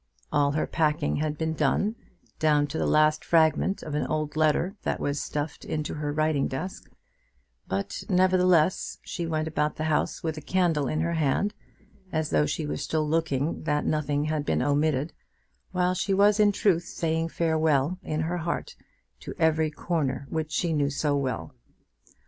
All her packing had been done, down to the last fragment of an old letter that was stuffed into her writing desk; but, nevertheless, she went about the house with a candle in her hand, as though she were still looking that nothing had been omitted, while she was in truth saying farewell in her heart to every corner which she knew so well.